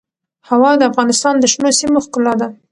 هوا د افغانستان د شنو سیمو ښکلا ده.